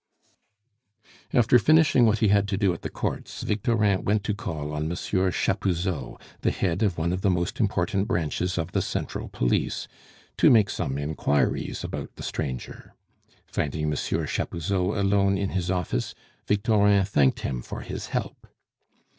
After finishing what he had to do at the Courts, Victorin went to call on Monsieur Chapuzot, the head of one of the most important branches of the Central Police, to make some inquiries about the stranger. Finding Monsieur Chapuzot alone in his office, Victorin thanked him for his help.